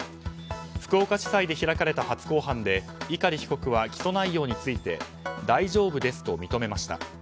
福岡地裁で開かれた初公判で碇被告は起訴内容について大丈夫ですと認めました。